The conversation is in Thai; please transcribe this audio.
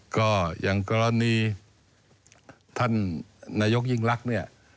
ก็อย่างกรณีท่านนายกยิ่งลักษณ์เนี่ย